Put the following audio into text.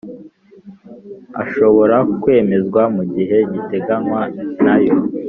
ashobora kwemezwa mu gihe giteganywa n ayo